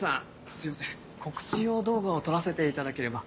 すいません告知用動画を撮らせていただければ。